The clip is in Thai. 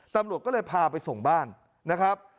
ตำรวจก็เลยพาไปส่งบ้านนะครับ